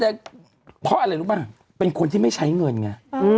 เพราะอะไรรู้ป่ะเป็นคนที่ไม่ใช้เงินไง